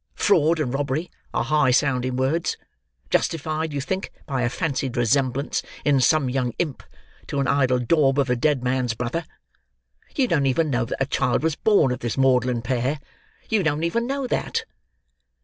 Fraud and robbery are high sounding words—justified, you think, by a fancied resemblance in some young imp to an idle daub of a dead man's Brother! You don't even know that a child was born of this maudlin pair; you don't even know that."